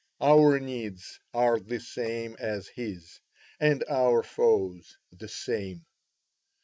Our needs are the same as his, and our foes the same."